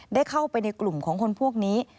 ได้เข้าไปในกลุ่มของคนพวกนี้